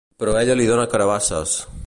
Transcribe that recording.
Però ella li dóna carabasses.